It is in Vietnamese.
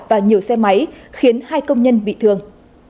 và nhiều xe máy khiến hai công nhân bị thương